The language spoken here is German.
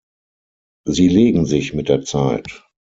Sie legen sich mit der Zeit.